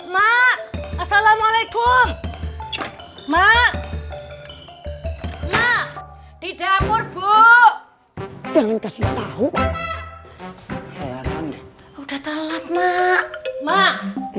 mak assalamualaikum mak nah di dapur bu jangan kasih tahu udah telat mak mak